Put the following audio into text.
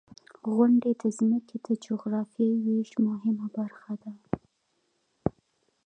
• غونډۍ د ځمکې د جغرافیوي ویش مهمه برخه ده.